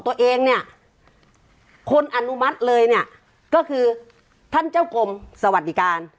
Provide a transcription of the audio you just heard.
ตัวเองเนี่ยคนอนุมัติเลยเนี่ยก็คือท่านเจ้ากรมสวัสดิการ